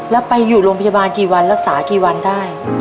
แล้วไปอยู่โรงพยาบาลกี่วันรักษากี่วันได้